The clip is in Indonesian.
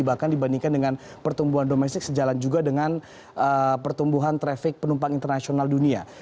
bahkan dibandingkan dengan pertumbuhan domestik sejalan juga dengan pertumbuhan trafik penumpang internasional dunia